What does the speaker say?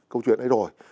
câu chuyện ấy rồi